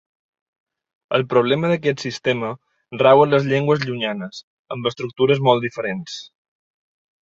El problema d’aquest sistema rau en les llengües llunyanes, amb estructures molt diferents.